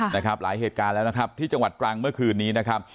หลายเหตุการณ์แล้วนะครับที่จังหวัดตรังเมื่อคืนนี้นะครับ